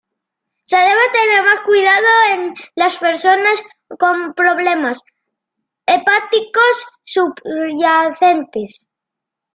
Se debe tener más cuidado en las personas con problemas hepáticos subyacentes.